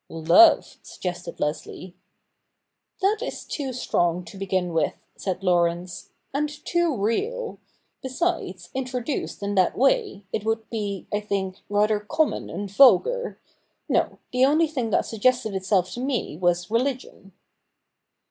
' Love,' suggested Leslie. 'That is too strong to begin with,' said Laurence, ' and too real. Besides, introduced in that way, it would be, I think, rather common and vulgar. No — the only thing that suggested itself to me was religion.'